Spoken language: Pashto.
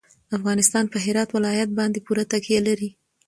افغانستان په هرات ولایت باندې پوره تکیه لري.